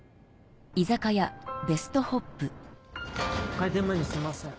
開店前にすいません。